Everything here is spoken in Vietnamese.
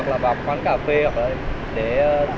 cháu biết nào chú đi về đi